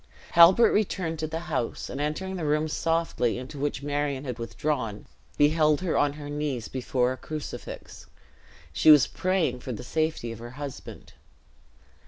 Halbert returned to the house; and entering the room softly, into which Marion had withdrawn, beheld her on her knees before a crucifix; she was praying for the safety of her husband.